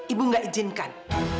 ibu nggak izinkan